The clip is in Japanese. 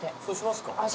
そうしますか。